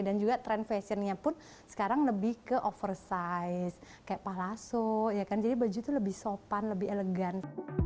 dan juga tren fashionnya pun sekarang lebih ke oversize kayak palaso jadi baju itu lebih sopan lebih elegan